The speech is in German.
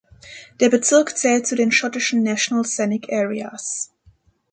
Der Bezirk zählt zu den schottischen National Scenic Areas.